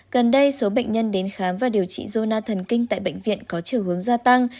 gần đây số bệnh nhân đến khám và điều trị jona thần kinh tại bệnh viện có chiều hướng gia tăng